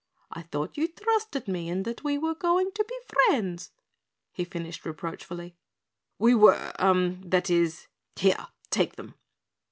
I thought you trusted me and that we were going to be friends," he finished reproachfully. "We were er that is HERE, take them!"